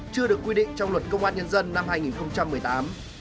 chưa được quy định trong luật công an nhân dân năm hai nghìn một mươi tám